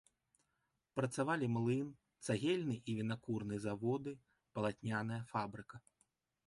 Працавалі млын, цагельны і вінакурны заводы, палатняная фабрыка.